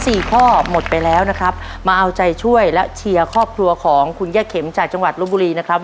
สี่ข้อหมดไปแล้วนะครับมาเอาใจช่วยและเชียร์ครอบครัวของคุณย่าเข็มจากจังหวัดลบบุรีนะครับ